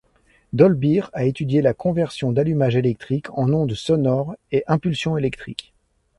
Dolbear a étudié la conversion d'allumage électrique en ondes sonores et impulsions électriques.